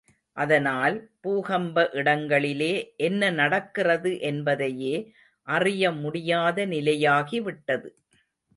அதனால், பூகம்ப இடங்களிலே என்ன நடக்கிறது என்பதையே அறிய முடியாத நிலையாகி விட்டது.